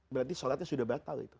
berarti sholatnya sudah batal